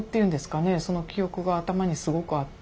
その記憶が頭にすごくあって。